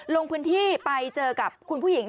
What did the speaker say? ลงพื้นที่ไปเจอกับคุณผู้หญิง